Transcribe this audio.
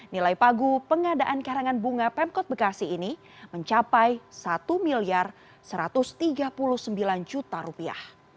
nilai pagu pengadaan karangan bunga pemkot bekasi ini mencapai satu satu ratus tiga puluh sembilan juta rupiah